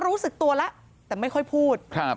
รู้สึกตัวแล้วแต่ไม่ค่อยพูด